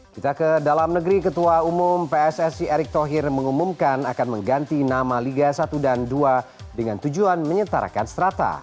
kita ke dalam negeri ketua umum pssi erick thohir mengumumkan akan mengganti nama liga satu dan dua dengan tujuan menyetarakan strata